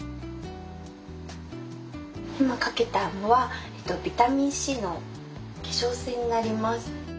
今かけたのはビタミンＣの化粧水になります。